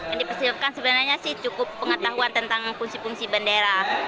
yang dipersiapkan sebenarnya sih cukup pengetahuan tentang fungsi fungsi bendera